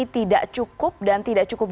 tidak cukup dan tidak cukup